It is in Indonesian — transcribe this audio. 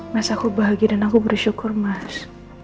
masa aku bahagia dan aku bersyukur mas